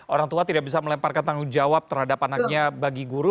orang tua tidak bisa melemparkan tanggung jawab terhadap anaknya bagi guru